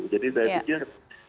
jadi saya pikir